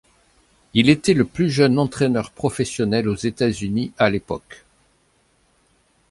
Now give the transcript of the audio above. Il était le plus jeune entraîneur professionnel aux États-Unis à l'époque.